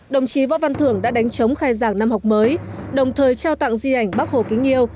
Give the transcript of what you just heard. đồng chí võ văn thưởng đã đánh chống khai giảng năm học mới đồng thời trao tặng di ảnh bác hồ kính yêu